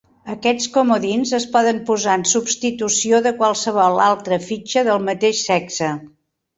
Aquests comodins es poden posar en substitució de qualsevol altra fitxa del mateix sexe.